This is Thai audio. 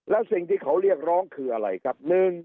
แล้วสิ่งที่เขาเรียกร้องคืออะไรครับ